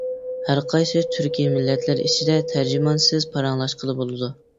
ھەر قايسى تۈركىي مىللەتلەر ئىچىدە تەرجىمانسىز پاراڭلاشقىلى بولىدۇ.